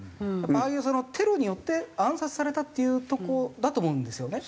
ああいうテロによって暗殺されたっていうとこだと思うんですよね。